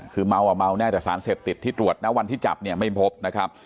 คือเมาอ่ะเมาแน่แต่สารเสพติดที่ตรวจนะวันที่จับเนี่ยไม่พบนะครับ